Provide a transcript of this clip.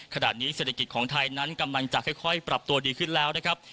ขณะนี้เศรษฐกิจของไทยนั้นกำลังจะค่อยปรับตัวดีขึ้นแล้วนะครับ